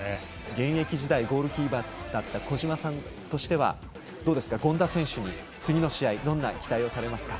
現役時代ゴールキーパーだった小島さんとしてはどうですか、権田選手に次の試合どんな期待をされますか？